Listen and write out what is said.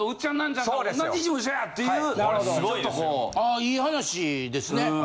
あいい話ですね。